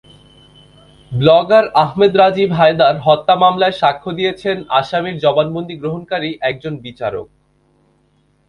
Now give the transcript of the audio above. Blogger Ahmed Rajib Haider হত্যা মামলায় সাক্ষ্য দিয়েছেন আসামির জবানবন্দি গ্রহণকারী একজন বিচারক।